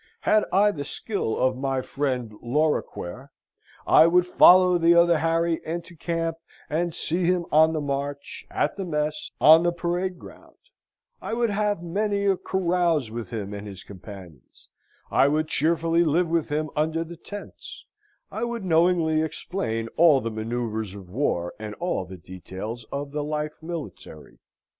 Had I the skill of my friend Lorrequer, I would follow the other Harry into camp, and see him on the march, at the mess, on the parade ground; I would have many a carouse with him and his companions; I would cheerfully live with him under the tents; I would knowingly explain all the manoeuvres of war, and all the details of the life military.